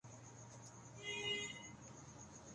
ہم ان کی جان چھوڑ کیوں نہیں دیتے؟